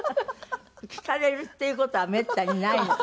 聞かれるっていう事はめったにないの。